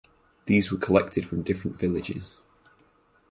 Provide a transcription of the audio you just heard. These were collected from different villages.